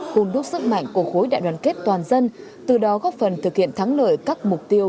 hôn đúc sức mạnh của khối đại đoàn kết toàn dân từ đó góp phần thực hiện thắng lợi các mục tiêu